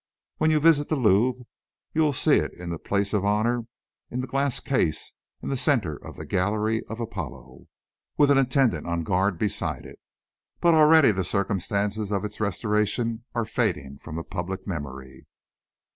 When you visit the Louvre, you will see it in the place of honour in the glass case in the centre of the Gallery of Apollo, with an attendant on guard beside it. But already the circumstances of its restoration are fading from the public memory.